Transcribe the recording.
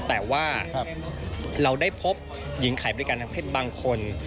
แต่ว่าเราได้พบหญิงขายบริการทางเพศบางคน